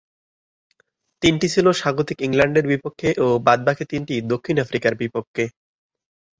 তিনটি ছিল স্বাগতিক ইংল্যান্ডের বিপক্ষে ও বাদ-বাকী তিনটি দক্ষিণ আফ্রিকার বিপক্ষে।